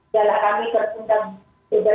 jalankan kami yang tersebut